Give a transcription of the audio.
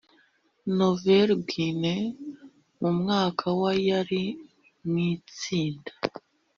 nouvelle guinee mu mwaka wa yari mu itsinda